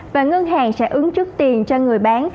và ngân hàng sẽ ứng trước tiền cho người bán